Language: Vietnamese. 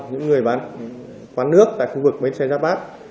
những người bán quán nước tại khu vực bến xe giáp bát